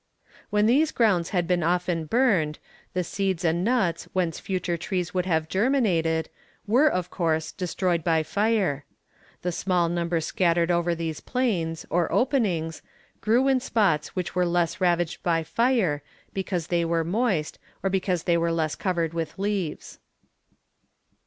When these grounds had been often burned, the seeds and nuts whence future trees would have germinated, were, of course, destroyed by fire. The small number scattered over these plains, or openings, grew on spots which were less ravaged by fire, because they were moist, or because they were less covered with leaves.